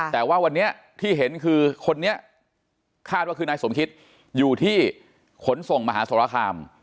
แต่ว่าวันนี้ที่เห็นคือคนนี้คาดว่าคือนายสมคิตอยู่ที่ขนส่งมหาสรคาม